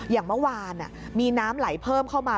อย่างเมื่อวานมีน้ำไหลเพิ่มเข้ามา